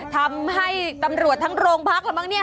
ทำให้ตำรวจทั้งโรงพร้าคแล้วทำไม